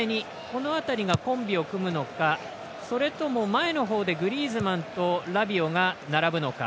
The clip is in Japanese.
この辺りがコンビを組むのかそれとも、前の方でグリーズマンとラビオが並ぶのか。